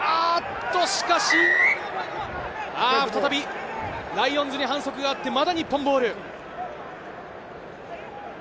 しかし、再びライオンズに反則があって、まだ日本ボール。